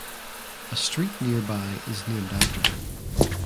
A street nearby is named after him.